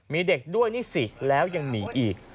มีเด็กด้วยนี่สิแล้วยังหนีอีก